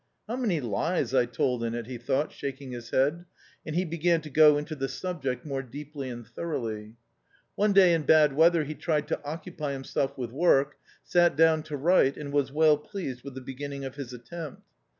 " How many lies I told in it," he thought, shaking his head, and he began to go into the subject more deeply and thoroughly. ^ One day in bad weather he tried to occupy himself with work, sat down to write and was well pleased with the beginning of his attempt.